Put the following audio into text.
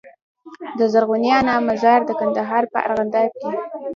د زرغونې انا مزار د کندهار په ارغنداب کي